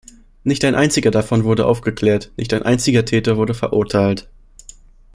Nicht ein einziger davon wurde aufgeklärt, nicht ein einziger Täter wurde verurteilt.